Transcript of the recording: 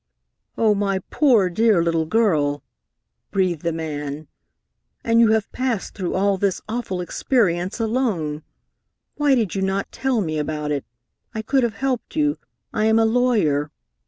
"Oh, my poor dear little girl!" breathed the man. "And you have passed through all this awful experience alone! Why did you not tell me about it? I could have helped you. I am a lawyer."